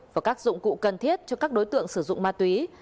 và các dụng cụ cần thiết cho các đối tượng sử dụng ma túy